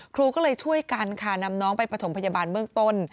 ครูก็เลยช่วยกันค่ะนำน้องไปประถมพยาบาลเบื้องต้น